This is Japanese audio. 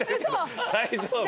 大丈夫？